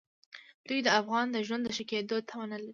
دوی د افغان د ژوند د ښه کېدو تمه نه لري.